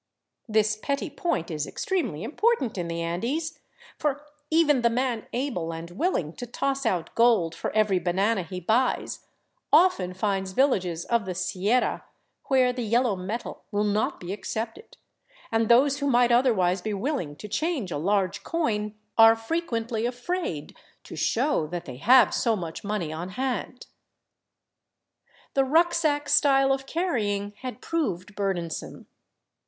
This petty point is extremely important in the Andes, for even the man able and willing to toss out gold for every banana he buys often finds villages of the Sierra where the yellow metal will not be accepted ; and those who might otherwise be willing to change a large I coin are frequently afraid to show that they have so much money on 'hand. The rucksack style of carrying had proved burdensome.